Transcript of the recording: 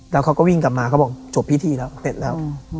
แล้วเขาก็วิ่งกลับมาเขาบอกจบพิธีแล้วเสร็จแล้ว